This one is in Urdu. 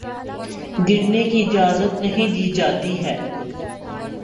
گرنے کی اجازت نہیں دی جاتی ہے